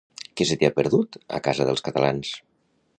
Què se t'hi ha perdut, a casa dels catalans?